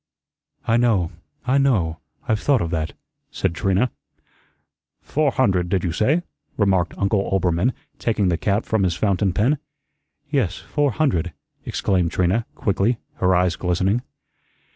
"I know, I know. I've thought of that," said Trina. "Four hundred, did you say?" remarked Uncle Oelbermann, taking the cap from his fountain pen. "Yes, four hundred," exclaimed Trina, quickly, her eyes glistening.